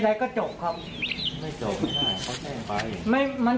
จะพาคุณผู้ชมไปดูบรรยากาศตอนที่เจ้าหน้าที่เข้าไปในบ้าน